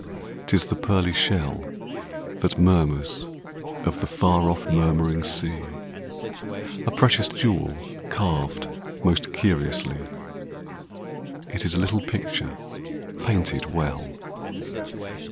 T is the pearly shell That mormnrs of the f ar o£P murmuring sea ; A precious jewel carved most curiously ; It is a little picture painted well.